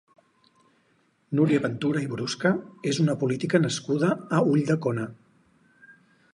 Núria Ventura i Brusca és una política nascuda a Ulldecona.